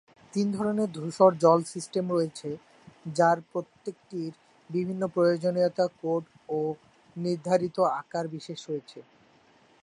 তিন ধরনের ধূসর জল সিস্টেম রয়েছে যার প্রত্যেকটির বিভিন্ন প্রয়োজনীয়তা, কোড এবং নির্ধারিত আকার বৈশিষ্ট্য রয়েছে।